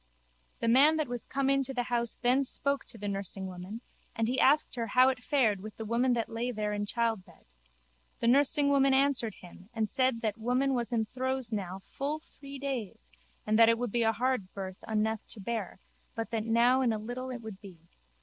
The man that was come in to the house then spoke to the nursingwoman and he asked her how it fared with the woman that lay there in childbed. The nursingwoman answered him and said that that woman was in throes now full three days and that it would be a hard birth unneth to bear but that now in a little it would be.